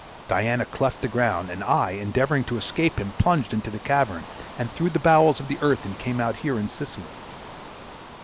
Diana cleft the ground, and I, endeavoring to escape him, plunged into the cavern, and through the bowels of the earth came out here in Sicily.